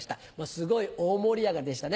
すごい大盛り上がりでしたね。